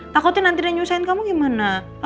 takutnya nanti dia nyusahin kamu gimana